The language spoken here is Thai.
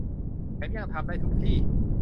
แถมยังทำได้ทุกที่